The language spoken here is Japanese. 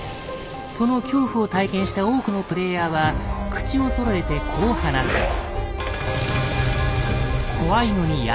その恐怖を体験した多くのプレイヤーは口をそろえてこう話す。